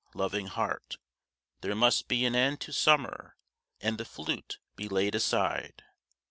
Loving Heart, There must be an end to summer, And the flute be laid aside.